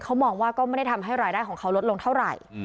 เขามองว่าก็ไม่ได้ทำให้รายได้ของเขาลดลงเท่าไหร่